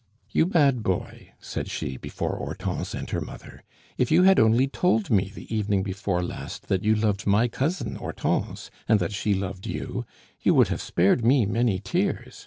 "You bad boy!" said she, before Hortense and her mother, "if you had only told me the evening before last that you loved my cousin Hortense, and that she loved you, you would have spared me many tears.